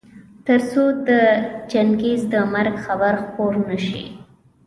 تر څو د چنګېز د مرګ خبر خپور نه شي.